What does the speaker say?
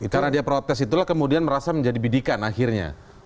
karena dia protes itulah kemudian merasa menjadi bidikan akhirnya